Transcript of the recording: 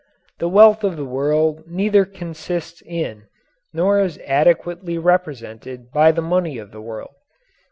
The wealth of the world neither consists in nor is adequately represented by the money of the world.